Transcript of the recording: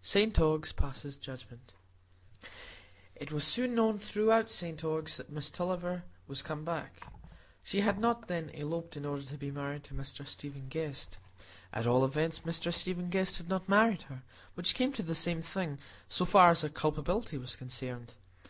St Ogg's Passes Judgment It was soon known throughout St Ogg's that Miss Tulliver was come back; she had not, then, eloped in order to be married to Mr Stephen Guest,—at all events, Mr Stephen Guest had not married her; which came to the same thing, so far as her culpability was concerned.